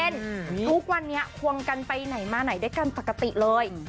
ทุกวันนี้ควงกันไปไหนมาไหนด้วยกันปกติเลย